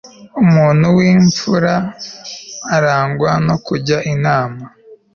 umuntu w'imfura arangwa no kujya inama